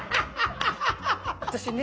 私ね